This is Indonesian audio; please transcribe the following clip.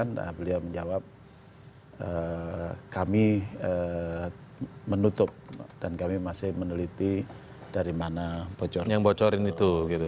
kemudian beliau menjawab kami menutup dan kami masih meneliti dari mana yang bocorin itu